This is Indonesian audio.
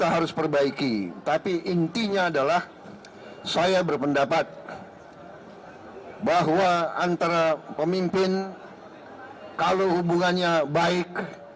yang harus memperbaiki tapi intinya adalah saya berpendapat bahwa antara pemimpin kalau hubungannya baik kita bisa saling thy area shemitah calfcje cuman